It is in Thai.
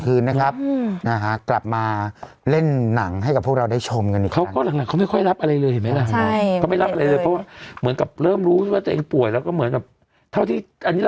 เขาก็บอกไอ้พิมตอนนั้นก็พิมหมด